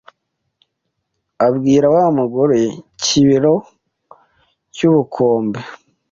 abwira wa mugore Kibero cy ‘Ubukombe,